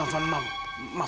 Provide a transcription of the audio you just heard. aida kamu mau ke rumah